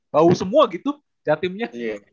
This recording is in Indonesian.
bau semua gitu jatimnya